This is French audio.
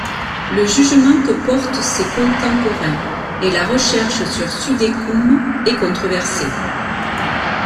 Le jugement que portent ses contemporains et la recherche sur Südekum est controversé.